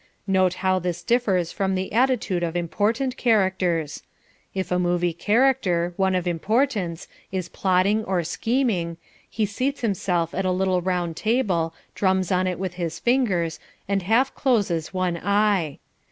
Note how this differs from the attitudes of important characters. If a movie character one of importance is plotting or scheming, he seats himself at a little round table, drums on it with his fingers, and half closes one eye.